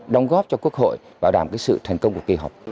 đóng góp cho quốc hội bảo đảm sự thành công của kỳ họp